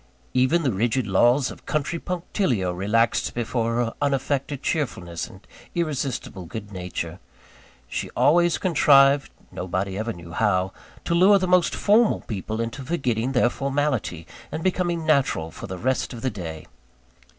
Even the rigid laws of country punctilio relaxed before her unaffected cheerfulness and irresistible good nature. She always contrived nobody ever knew how to lure the most formal people into forgetting their formality, and becoming natural for the rest of the day.